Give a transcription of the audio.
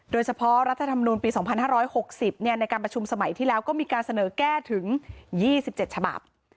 โดยเฉพาะรัฐธรรมนูลปี๒๕๖๐ในการประชุมสมัยที่แล้วก็มีการเสนอแก้ถึง๒๗ฉบับ